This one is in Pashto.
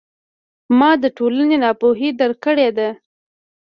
ما د ټولنې ناپوهي درک کړې ده.